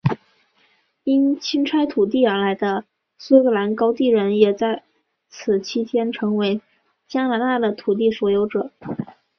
因清拆土地而来的苏格兰高地人也在此期间成为加拿大的土地所有者。